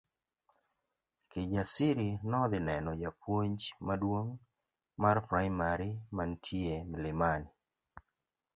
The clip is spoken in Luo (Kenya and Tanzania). Kijasiri nodhi neno japuonj maduong' mar primari mantie Mlimani.